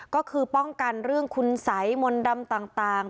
ก็คือป้องกันเรื่องคุณสัยมนต์ดำต่าง